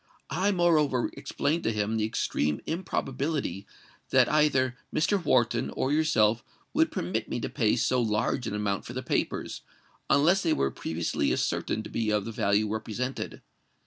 I moreover explained to him the extreme improbability that either Mr. Wharton or yourself would permit me to pay so large an amount for the papers, unless they were previously ascertained to be of the value represented.